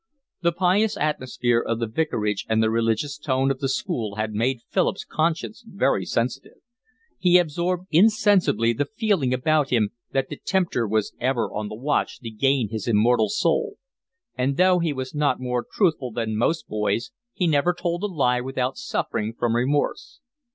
The pious atmosphere of the vicarage and the religious tone of the school had made Philip's conscience very sensitive; he absorbed insensibly the feeling about him that the Tempter was ever on the watch to gain his immortal soul; and though he was not more truthful than most boys he never told a lie without suffering from remorse.